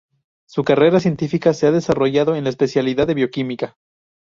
Su carrera científica se ha desarrollado en la especialidad de bioquímica.